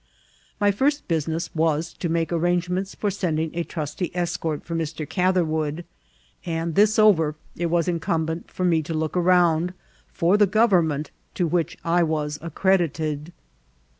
My first bufliness was to make arrangements tor send ing a trusty escort for Mr. Catherwood, and, this over, it was incumbent upon me to look around for the gov ernment to which I was accredited.